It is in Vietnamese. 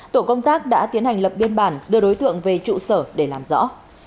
tổ công tác đã tiến hành lập biên bản đưa đối tượng về trụ sở để làm rõ